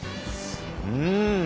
うん。